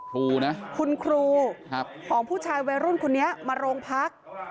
ครูนะคุณครูของผู้ชายวัยรุ่นคนนี้มาโรงพัก